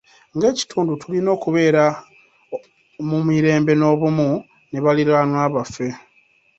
Ng'ekitundu, tulina okubeera mu mirembe n'obumu ne baliraanwa baffe.